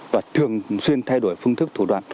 và thường xuyên thay đổi phương thức thủ đoạn